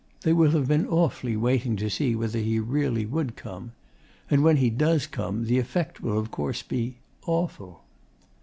They will have been awfully waiting to see whether he really would come. And when he does come the effect will of course be awful.